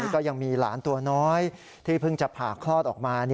ก็ยังมีหลานตัวน้อยที่เพิ่งจะผ่าคลอดออกมา